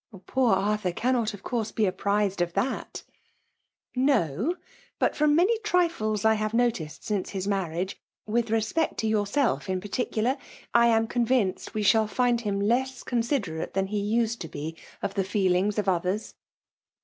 ',.'' Poor Arthiir cannot, of course, be apprized of that" " No ! but from many trifles I have noUood .since his marriage (with respect to ypufself in particular), I am convinced wc shaU^nd . him less considerate than he used to be of the ife^ling^ of others."